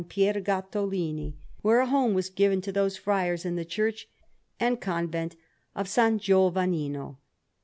Pier Gattolini, where a home was given to those friars in the Church and Convent of S. Giovannino.